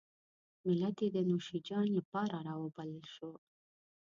ملت یې د نوشیجان لپاره راوبلل شو.